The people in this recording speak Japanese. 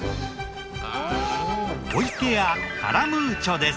湖池屋カラムーチョです。